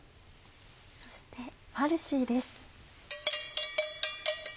そしてファルシーです。